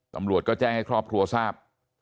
ตำรวจก็แจ้งให้ครอบครัวทราบ